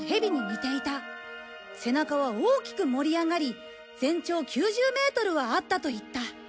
「背中は大きく盛り上がり全長９０メートルはあった」と言った。